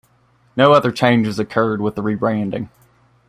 No other changes occurred with the rebranding.